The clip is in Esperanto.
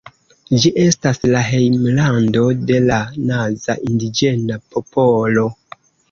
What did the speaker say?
Ĝi estas la hejmlando de la Naza indiĝena popolo.